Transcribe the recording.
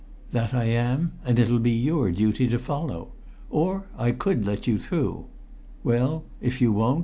"That I am, and it'll be your duty to follow. Or I could let you through. Well if you won't!"